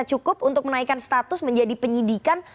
cukup untuk menaikkan status menjadi penyidikan